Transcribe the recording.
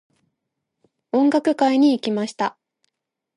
音楽会に行きました。